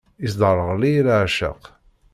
Isderɣel-iyi leɛceq.